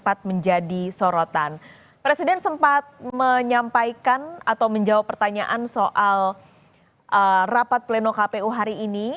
presiden sempat menyampaikan atau menjawab pertanyaan soal rapat pleno kpu hari ini